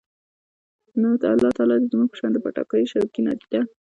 نو الله تعالی دې زموږ په شان د پټاکیو شوقي، نادیده